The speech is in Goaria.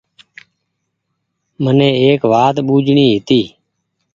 مني ايڪ وآت ٻوجڻي هيتي